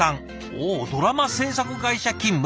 おおドラマ制作会社勤務。